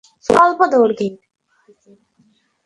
তুমি এসব চাও না?